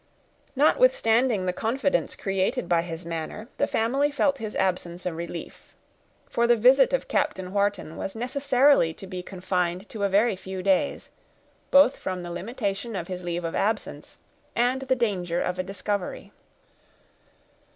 Notwithstanding the confidence created by his manner, the family felt his absence a relief; for the visit of Captain Wharton was necessarily to be confined to a very few days, both from the limitation of his leave of absence, and the danger of a discovery.